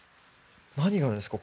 何があるんですか？